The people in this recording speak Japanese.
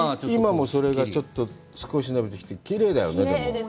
今もそれがちょっと少し伸びてきて、きれいだよね、でも。